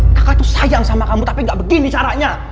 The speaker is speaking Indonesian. kakak tuh sayang sama kamu tapi gak begini caranya